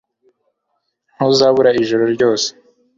ntuzabura ijoro ryose